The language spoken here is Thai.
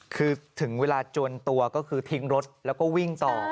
คือถึงเวลาจวนตัวก็คือทิ้งรถแล้วก็วิ่งต่อ